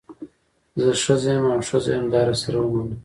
زه ښځه یم او ښځه یم دا راسره ومنه.